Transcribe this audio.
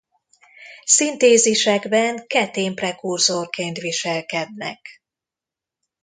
Szintézisekben ketén prekurzorként viselkednek.